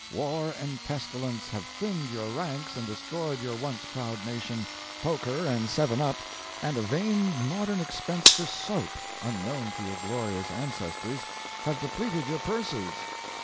War and pestilence have thinned your ranks and destroyed your once proud nation. Poker and seven up, and a vain modern expense for soap, unknown to your glorious ancestors, have depleted your purses.